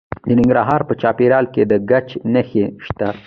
د ننګرهار په چپرهار کې د ګچ نښې شته.